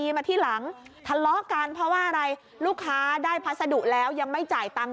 มาที่หลังทะเลาะกันเพราะว่าอะไรลูกค้าได้พัสดุแล้วยังไม่จ่ายตังค์